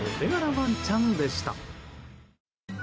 ワンちゃんでした。